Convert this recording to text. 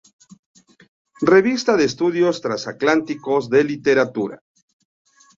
Revista de Estudios Transatlánticos de Literatura.